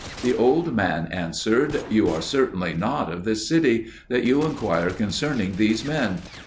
The old man answered, "You are certainly not of this city, that you inquire concerning these men.